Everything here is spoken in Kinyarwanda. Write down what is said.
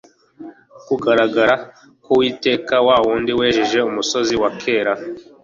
Kugaragara k'Uwiteka, wa wundi wejeje umusozi wa kera,